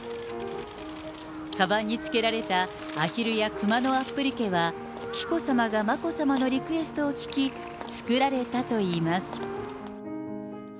かばんにつけられたあひるやくまのアップリケは、紀子さまが眞子さまのリクエストを聞き、作られたといいます。